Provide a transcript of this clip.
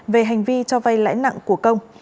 về hành vi trao vay lãi nặng của công